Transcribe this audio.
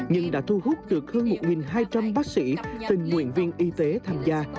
nhưng đã thu hút được hơn một hai trăm linh bác sĩ tình nguyện viên y tế tham gia